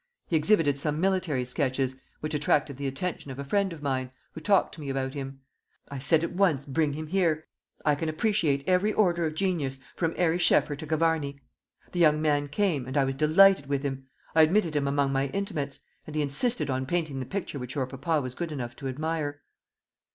He exhibited some military sketches, which attracted the attention of a friend of mine, who talked to me about him. I said at once, 'Bring him here. I can appreciate every order of genius, from Ary Scheffer to Gavarni.' The young man came, and I was delighted with him. I admitted him among my intimates; and he insisted on painting the picture which your papa was good enough to admire."